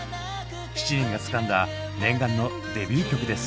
７人がつかんだ念願のデビュー曲です。